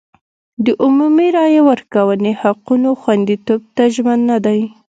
د عمومي رایې ورکونې حقونو خوندیتوب ته ژمن نه دی.